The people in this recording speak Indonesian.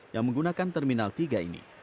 yang menggunakan terminal tiga ini